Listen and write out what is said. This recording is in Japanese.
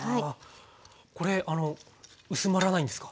これ薄まらないんですか？